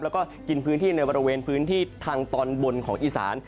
แล้วก็กินพื้นที่ในบริเวณพื้นที่ทางตอนบนของอีสาน